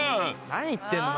何言ってんの？